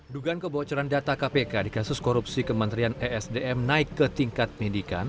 dugaan kebocoran data kpk di kasus korupsi kementerian esdm naik ke tingkat pendidikan